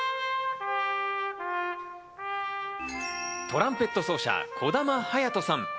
トランペット奏者・児玉隼人さん。